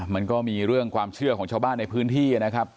มันก็มีเรื่องความเชื่อของชาวบ้านในพื้นที่นะครับ